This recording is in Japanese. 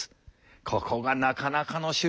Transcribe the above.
ここがなかなかの代物だ。